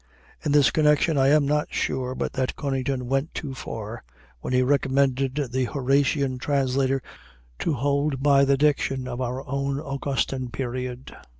In this connection I am not sure but that Conington went too far when he recommended the Horatian translator to hold by the diction of our own Augustan period.